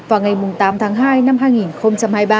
vào ngày tám tháng hai năm hai nghìn hai mươi ba